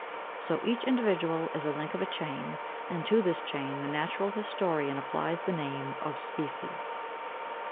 So each individual is a link of a chain; and to this chain the natural historian applies the name of 522. =Species.